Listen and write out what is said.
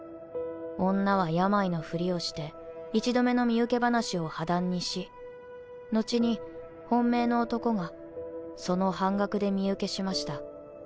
女は病のふりをして１度目の身請け話を破談にし後に本命の男がその半額で身請けしました。